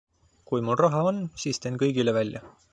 Kui mul raha on, siis teen kõigile välja.